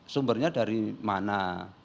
sumbernya dari mana